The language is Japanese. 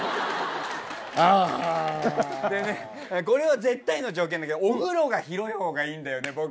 これは絶対の条件だけどお風呂が広い方がいいんだよね